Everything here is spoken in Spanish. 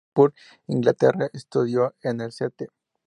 Nacido en Liverpool, Inglaterra, estudió en el St.